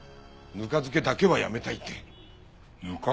ぬか漬けだけはやめたい？